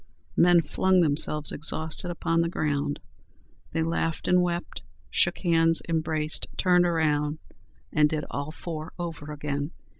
Men flung themselves exhausted upon the ground. They laughed and wept, shook hands, embraced; turned round, and did all four over again.